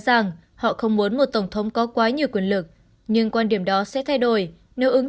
rằng họ không muốn một tổng thống có quá nhiều quyền lực nhưng quan điểm đó sẽ thay đổi nếu ứng